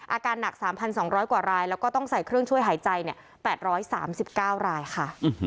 อาการหนักสามพันสองร้อยกว่ารายแล้วก็ต้องใส่เครื่องช่วยหายใจเนี่ยแปดร้อยสามสิบเก้ารายค่ะ